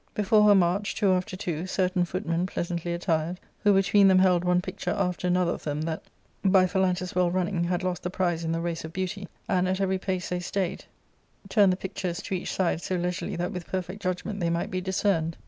I Before her marched, two after twoj certain footmen pleasantly ' attired, who between them held one picture after another of them that, by Phalantus' well running, had lost the prize in the race of beauty, and, at every pace they stayed, turned G 82 ARCADJA. ^Book L the pictures to each side so leisurely that with perfect judg ment they might be discerned.